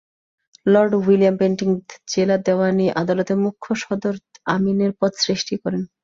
Lord William Bentinck জেলা দেওয়ানি আদালতে মুখ্য সদর আমিনের পদ সৃষ্টি করেন।